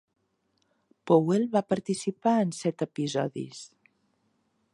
Powell va participar en set episodis.